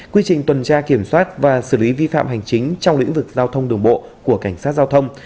quy trình tuần tra kiểm soát và xử lý vi phạm hành chính trong lĩnh vực giao thông đường bộ của cảnh sát giao thông